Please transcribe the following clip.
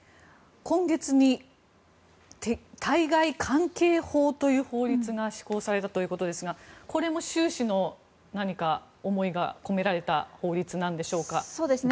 今月に対外関係法という法律が施行されたということですがこれも習氏の思いが込められた法律なんでしょうか？